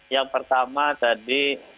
yang pertama tadi